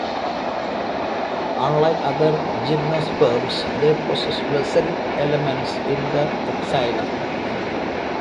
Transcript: Unlike other gymnosperms, they possess vessel elements in the xylem.